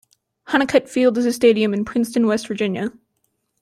Hunnicutt Field is a stadium in Princeton, West Virginia.